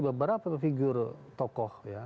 beberapa figur tokoh ya